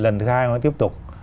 lần thứ hai nó tiếp tục